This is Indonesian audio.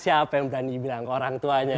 siapa yang berani bilang orang tuanya